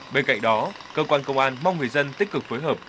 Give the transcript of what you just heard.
bên cạnh đó cơ quan công an mong người dân tích cực phối hợp